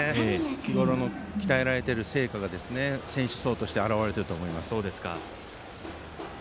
日ごろ鍛えられている成果が選手層として表れていると思います。